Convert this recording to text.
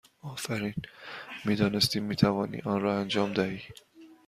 آفرین! می دانستیم می توانی آن را انجام دهی!